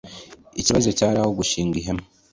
Ikibazo cyari aho gushinga ihema.